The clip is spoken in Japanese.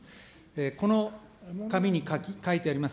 この紙に書いてあります